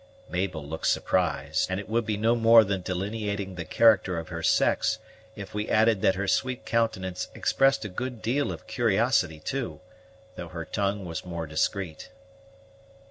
Mabel looked surprised, and it would be no more than delineating the character of her sex, if we added that her sweet countenance expressed a good deal of curiosity, too, though her tongue was more discreet.